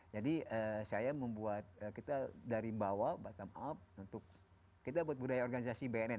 jadi saya membuat kita dari bawah bottom up kita buat budaya organisasi bnn